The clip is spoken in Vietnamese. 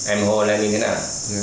em hôn em nhìn thế nào